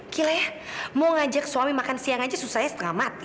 kile mau ngajak suami makan siang aja susahnya setengah mati